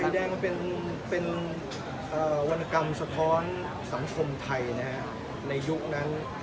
แดงมันเป็นวรรณกรรมสะท้อนสังคมไทยในยุคนั้น